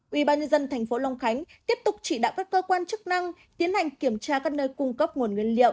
ubnd tp long khánh tiếp tục chỉ đạo các cơ quan chức năng tiến hành kiểm tra các nơi cung cấp nguồn nguyên liệu